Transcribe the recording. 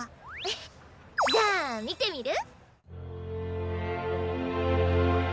じゃあみてみる？